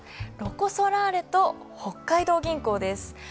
ロコ・ソラーレと北海道銀行です。